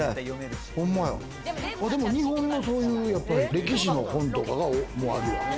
でも日本のそういう、歴史の本とかもある。